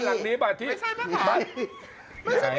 ไม่ใช่ที่ไหน